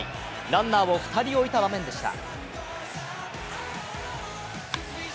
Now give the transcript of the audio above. ランナーを２人置いた場面でした。